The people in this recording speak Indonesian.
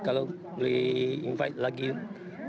kalau boleh invite lagi banyak negara lain